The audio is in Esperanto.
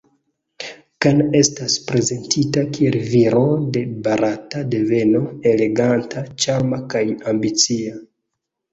Khan estas prezentita kiel viro de barata deveno, eleganta, ĉarma kaj ambicia.